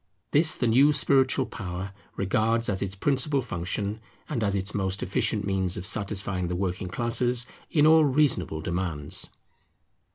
This the new spiritual power regards as its principal function, and as its most efficient means of satisfying the working classes in all reasonable demands.